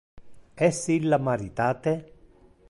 Es illa maritate?